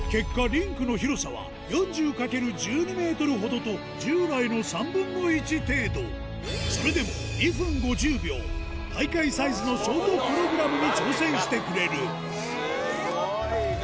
リンクの広さは４０×１２ｍほどと従来の３分の１程度それでも２分５０秒大会サイズのショートプログラムに挑戦してくれるスゴいな！